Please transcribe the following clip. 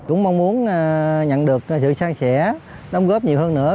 cũng mong muốn nhận được sự sang sẻ đóng góp nhiều hơn nữa